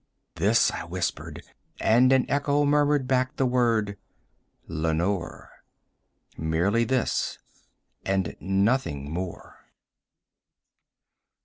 This I whispered, and an echo murmured back the word, "Lenore:" Merely this and nothing more.